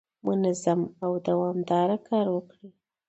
منظم او دوامداره کار وکړئ.